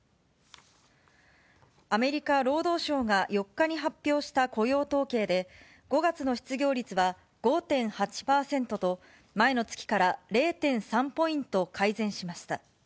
アメリカ労働省が４日に発表した雇用統計で、５月の失業率は５．８％と、前の月から０．３ポイント改善しました。